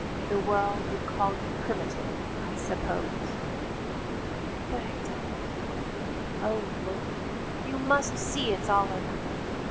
The world would call you primitive, I suppose." "But I don't " "Oh, Lord, you must see it's all or nothing!